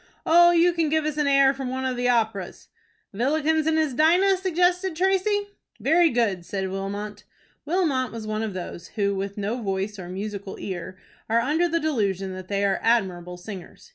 "Oh, you can give us an air from one of the operas." "Villikens and his Dinah?" suggested Tracy. "Very good," said Wilmot. Wilmot was one of those, who, with no voice or musical ear, are under the delusion that they are admirable singers.